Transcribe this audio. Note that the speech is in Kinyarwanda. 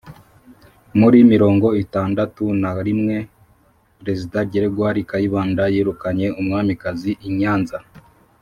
Muri mirongo itandatu na rimwe, Perezida Gregoire Kayibanda yirukanye umwamikazi I Nyanza.